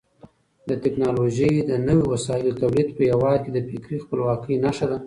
د ټکنالوژۍ د نویو وسایلو تولید په هېواد کې د فکري خپلواکۍ نښه ده.